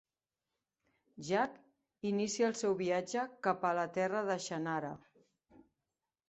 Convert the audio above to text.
Jak inicia el seu viatge cap a la Terra de Shannara.